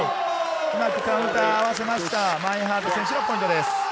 カウンター合わせました、マインハート選手のポイントです。